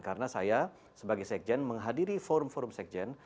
karena saya sebagai sekjen menghadiri forum forum sekjen